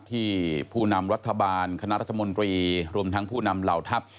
ผู้นำรัฐบาลคณะรัฐมนตรีรวมทั้งผู้นำเหล่าทัพ